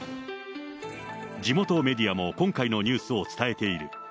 地元メディアも今回のニュースを伝えている。